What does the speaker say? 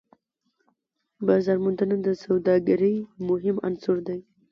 بازارموندنه د سوداګرۍ مهم عنصر دی.